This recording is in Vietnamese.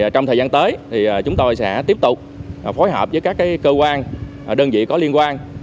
trong thời gian tới chúng tôi sẽ tiếp tục phối hợp với các cơ quan đơn vị có liên quan